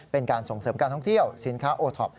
เป็นการส่งเสริมการท่องเที่ยวสินค้าโอท็อป